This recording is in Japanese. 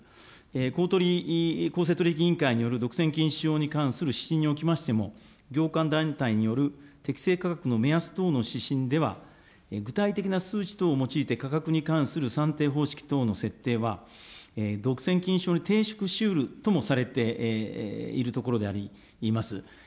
公取、公正取引委員会による独占禁止法に関する指針におきましても、業界団体による適正価格の目安等の指針では、具体的な数値等を用いて、価格に関する算定方式等の設定は、独占禁止法に抵触しうるともされているところであります。